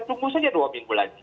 tunggu saja dua minggu lagi